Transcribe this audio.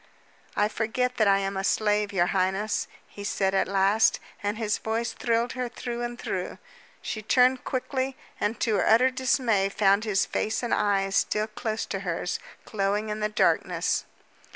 "I forget that I am a slave, your highness," he said at last, and his voice thrilled her through and through. She turned quickly and to her utter dismay found his face and eyes still close to hers, glowing in the darkness.